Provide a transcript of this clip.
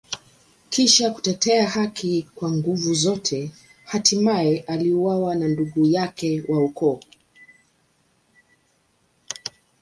Kisha kutetea haki kwa nguvu zote, hatimaye aliuawa na ndugu yake wa ukoo.